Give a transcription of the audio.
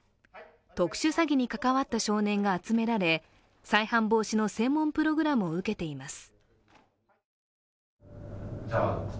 特殊詐欺に関わった少年が集められ再犯防止の専門プログラムを受けています。